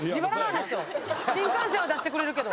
新幹線は出してくれるけど。